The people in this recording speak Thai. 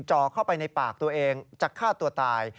จ่อเข้าไปในปากตัวเองจะฆ่าตัวตาย